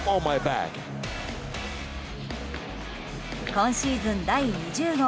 今シーズン第２０号。